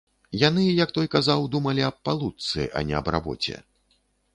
Яны, як той казаў, думалі аб палучцы, а не аб рабоце.